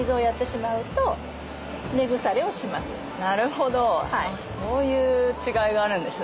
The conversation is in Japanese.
なるほどそういう違いがあるんですね。